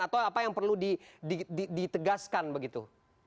atau apa yang perlu ditegaskan begitu